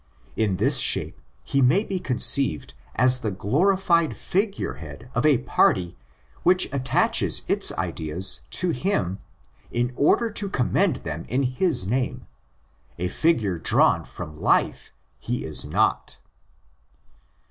In this shape he may be conceived as the glorified figure head of a party which attaches its ideas to him in order to commend them in his name: a figure drawn from life he is not.